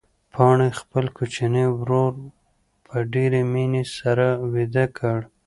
پاڼې خپل کوچنی ورور په ډېرې مینې سره ویده کړ.